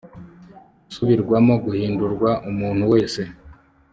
gusubirwamo guhindurwa umuntu wese